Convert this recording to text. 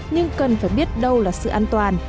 nhưng cần phải biết đâu là sự an toàn